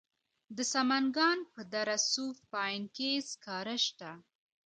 د سمنګان په دره صوف پاین کې سکاره شته.